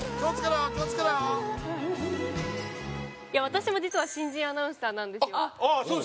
私も実は新人アナウンサーなんですよ。